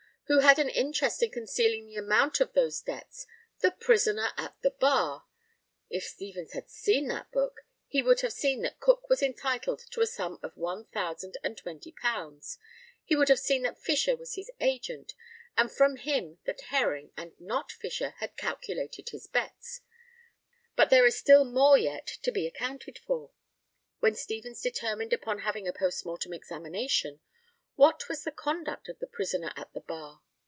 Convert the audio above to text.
Who had an interest in concealing the amount of those debts? The prisoner at the bar. If Stevens had seen that book, he would have seen that Cook was entitled to a sum of £1,020; he would have seen that Fisher was his agent, and from him that Herring, and not Fisher, had calculated his bets. But there is still more yet to be accounted for. When Stevens determined upon having a post mortem examination, what was the conduct of the prisoner at the bar?